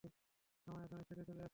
আমায় ওখানে ছেড়ে চলে আসছিলে।